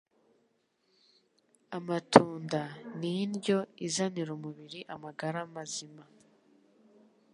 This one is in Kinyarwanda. [Amatunda ni indyo izanira umubiri amagara mazima